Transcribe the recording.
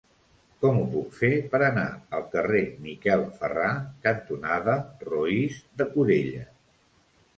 Com ho puc fer per anar al carrer Miquel Ferrà cantonada Roís de Corella?